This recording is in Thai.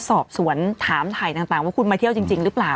สอบสวนถามถ่ายต่างว่าคุณมาเที่ยวจริงหรือเปล่า